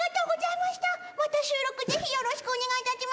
また収録ぜひよろしくお願いいたします。